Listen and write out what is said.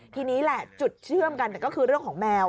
ทีนี้แหละจุดเชื่อมกันก็คือเรื่องของแมว